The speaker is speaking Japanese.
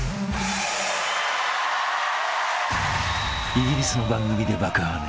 ［イギリスの番組で爆ハネ］